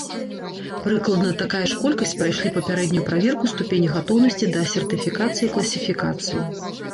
Прыкладна такая ж колькасць прайшлі папярэднюю праверку ступені гатоўнасці да сертыфікацыі і класіфікацыі.